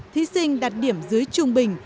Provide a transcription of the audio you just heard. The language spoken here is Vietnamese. thí sinh đạt điểm dưới trung bình